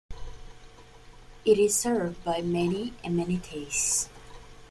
It is served by many amenities.